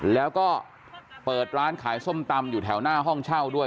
แล้วก็เปิดร้านขายส้มตำอยู่แถวหน้าห้องเช่าด้วย